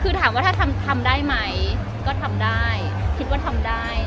คือถามว่าถ้าทำทำได้ไหมก็ทำได้คิดว่าทำได้